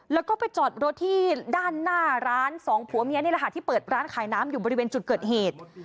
แล้วก็ไปจอดรถที่ด้านหน้าร้านสองผัวเมียนี่แหละค่ะที่เปิดร้านขายน้ำอยู่บริเวณจุดเกิดเหตุ